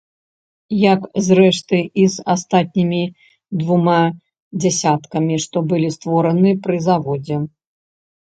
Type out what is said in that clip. Як, зрэшты, і з астатнімі двума дзясяткамі, што былі створаны пры заводзе.